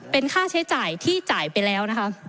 เป็นค่าใช้จ่ายที่จ่ายไปแล้วนะคะ